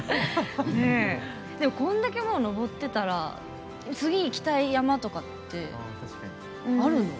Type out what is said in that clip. でもこんだけ登ってたら次、行きたい山とかってあるの？